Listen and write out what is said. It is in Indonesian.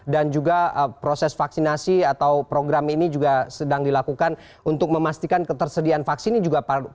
dan juga proses vaksinasi atau program ini juga sedang dilakukan untuk memastikan ketersediaan vaksin ini juga berhasil